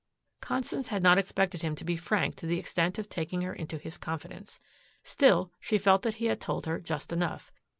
Constance had not expected him to be frank to the extent of taking her into his confidence. Still, she felt that he had told her just enough.